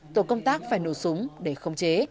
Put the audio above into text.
tổ công tác phải nổ súng để không chế